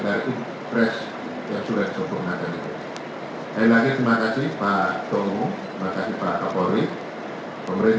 dari ingpres yang sudah disempurnakan